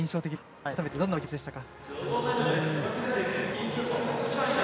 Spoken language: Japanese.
改めてどんなお気持ちでしたか。